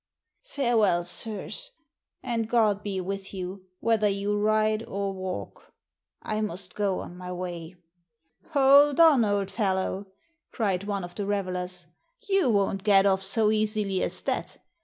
Farewell, sirs, and God be with you whether you ride or walk. I must go on my way." " Hold on, old fellow," cried one of the revelers. You won't get off so easily as that.